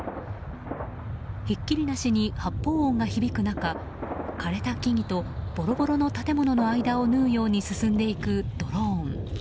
ひっきりなしに発砲音が響く中枯れた木々とボロボロの建物の間を縫うように進んでいくドローン。